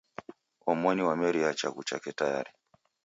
Omoni wamerie chaghu chake tayari